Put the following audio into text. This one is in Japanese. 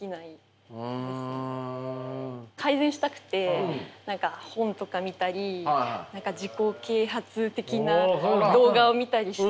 改善したくて何か本とか見たり自己啓発的な動画を見たりして。